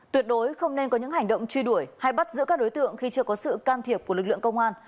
tuyệt đối không nên có những hành động truy đuổi hay bắt giữ các đối tượng khi chưa có sự can thiệp của lực lượng công an